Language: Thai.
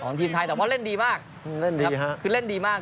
ทีมไทยแต่ว่าเล่นดีมากเล่นดีครับคือเล่นดีมาก